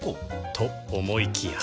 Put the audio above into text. と思いきや